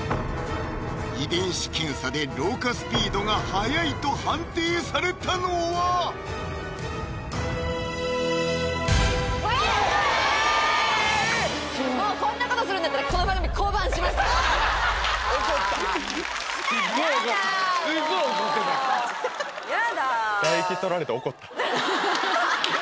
遺伝子検査で老化スピードが早いと判定されたのはえぇ⁉もうこんなことするんだったら怒った嫌だもう！